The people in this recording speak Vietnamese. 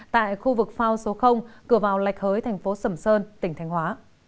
tại khu vực phao số cửa vào lạch hới tp sầm sơn tỉnh thanh hóa